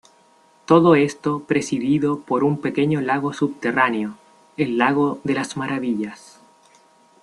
Todo esto presidido por un pequeño lago subterráneo, el "lago de las maravillas".